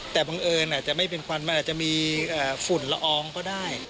แต่บังเอิญอาจจะไม่เป็นควันมันอาจจะมีฝุ่นละอองก็ได้